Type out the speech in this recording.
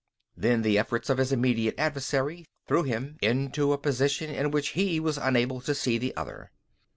Then the efforts of his immediate adversary threw him into a position in which he was unable to see the other.